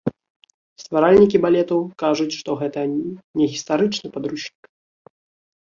Стваральнікі балету кажуць, што гэта не гістарычны падручнік.